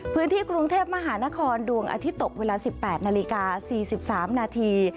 พื้นที่กรุงเทพมหานครดวงอาทิตย์ตกเวลา๑๘นาฬิกา๔๓นาที